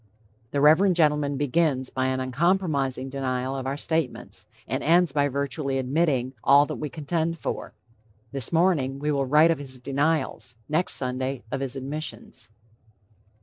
The Reverend gentleman begins by an uncompromising denial of our statements, and ends by virtually admitting all that we contend for. This morning we will write of his denials; next Sunday, of his admissions.